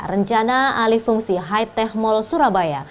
rencana alih fungsi hitech mall surabaya